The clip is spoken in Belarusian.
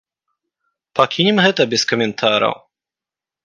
Пакінем гэта без каментараў.